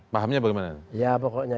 pahamnya bagaimana ya pokoknya